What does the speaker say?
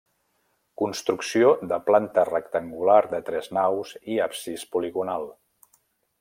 Construcció de planta rectangular de tres naus i absis poligonal.